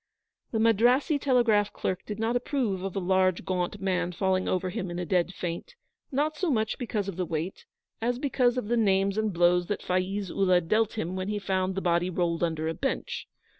The Madrassee telegraph clerk did not approve of a large, gaunt man falling over him in a dead faint, not so much because of the weight, as because of the names and blows that Faiz Ullah dealt him when he found the body rolled under a bench.